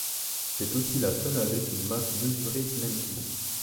C'est aussi la seule avec une masse mesurée dynamiquement.